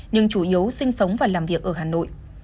nhưng chủ yếu sinh sống và làm việc ở hà nội